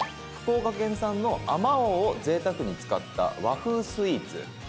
福岡県産のあまおうをぜいたくに使った和風スイーツ。